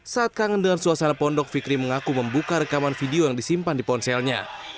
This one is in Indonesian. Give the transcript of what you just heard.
saat kangen dengan suasana pondok fikri mengaku membuka rekaman video yang disimpan di ponselnya